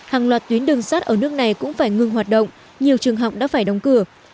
hàng loạt tuyến đường sắt ở nước này cũng phải ngừng hoạt động nhiều trường học đã phải đóng cửa